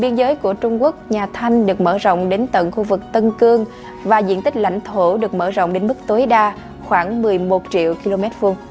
biên giới của trung quốc nhà thanh được mở rộng đến tận khu vực tân cương và diện tích lãnh thổ được mở rộng đến mức tối đa khoảng một mươi một triệu km hai